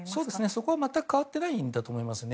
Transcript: そこは全く変わっていないんだと思います。